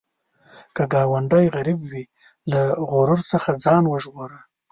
که ګاونډی غریب وي، له غرور څخه ځان وژغوره